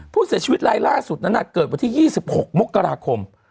ผู้เสียชีวิตรายล่าสุดนั้นเกิดวันที่๒๖มกราคม